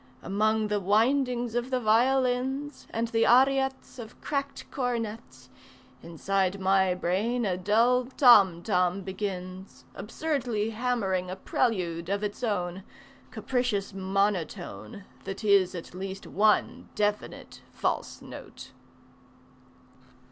Among the windings of the violins And the ariettes Of cracked cornets Inside my brain a dull tom tom begins Absurdly hammering a prelude of its own, Capricious monotone That is at least one definite "false note."